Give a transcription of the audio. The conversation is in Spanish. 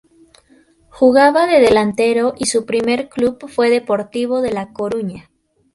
Jugaba de delantero y su primer club fue Deportivo de La Coruña.